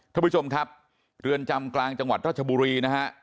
ท่านผู้ชมครับเรือนจำกลางจังหวัดราชบุรีนะฮะ